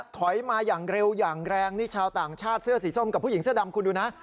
ถอยมาอย่างเร็วอย่างแรงนี่ชาวต่างชาติเสื้อสีส้มกับผู้หญิงเสื้อดำคุณดูนะ